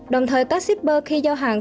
đồng thời các sipr khi giao hàng